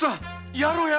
やろうやろう。